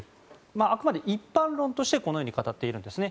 あくまで一般論としてこのように語っているんですね。